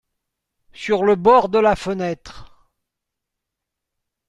Sur le bord de la fenêtre.